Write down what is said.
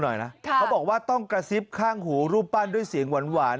หน่อยนะครับบอกว่าต้องกระซิบข้างหูรูปบ้านด้วยเสียงหวาน